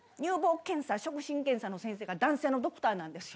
検査触診検査の先生が男性のドクターなんですよ。